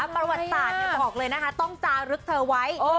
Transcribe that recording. ประวัติศาสตร์บอกเลยนะคะต้องจารึกเธอไว้